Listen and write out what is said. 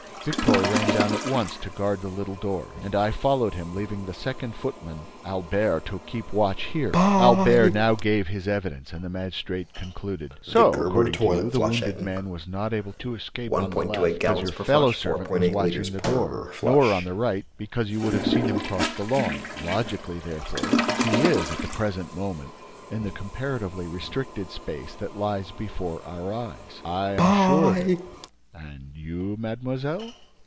Victor ran down at once to guard the little door and I followed him, leaving the second footman, Albert, to keep watch here." Albert now gave his evidence and the magistrate concluded: "So, according to you, the wounded man was not able to escape on the left, because your fellow servant was watching the door, nor on the right, because you would have seen him cross the lawn. Logically, therefore, he is, at the present moment, in the comparatively restricted space that lies before our eyes." "I am sure of it." "And you, mademoiselle?"